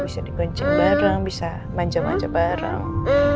bisa digoncing bareng bisa manja manja bareng